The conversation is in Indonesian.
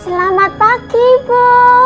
selamat pagi bu